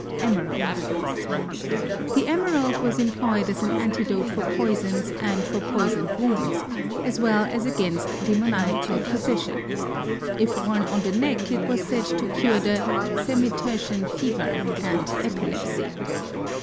Emerald The emerald was employed as an antidote for poisons and for poisoned wounds, as well as against demoniacal possession. If worn on the neck it was said to cure the "semitertian" fever and epilepsy.